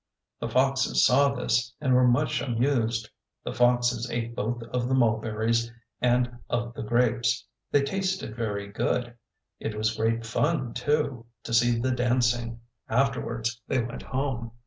The foxes saw this, and were much amused. The foxes ate both of the mulberries and of the grapes. They tasted very good. It was great fun, too, to see the dancing. Afterwards they went home.